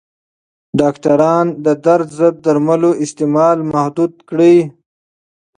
ډاکټران د درد ضد درملو استعمال محدود کړی.